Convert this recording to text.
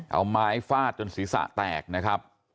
เอาไม้ฟาดจนศีรษะแตกนะครับ